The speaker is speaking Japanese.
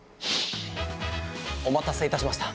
お待たせいたしました。